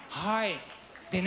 でね